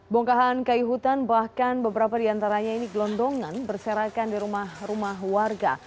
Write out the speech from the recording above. bongkahan kayu hutan bahkan beberapa di antaranya ini gelondongan berserakan di rumah rumah warga